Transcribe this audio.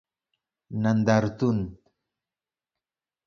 نندارتون